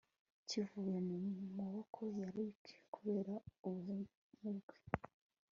kivuye mu maboko ya Ricky kubera ubuhemu bwe